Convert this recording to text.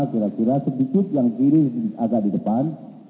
kira kira sedikit yang kiri agak di depan